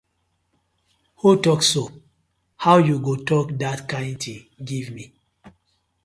Who tok so, how yu go tok dat kind tin giv mi.